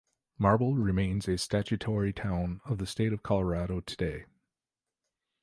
Marble remains a statutory town of the State of Colorado today.